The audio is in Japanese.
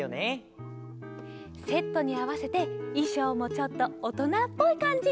セットにあわせていしょうもちょっとおとなっぽいかんじ。